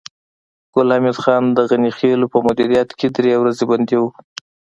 ګل حمید خان د غني خېلو په مدیریت کې درې ورځې بندي و